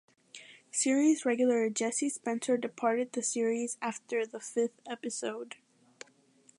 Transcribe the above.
Series regular Jesse Spencer departed the series after the fifth episode.